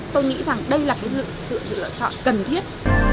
tôi nghĩ rằng đây là cái sự lựa chọn cần thiết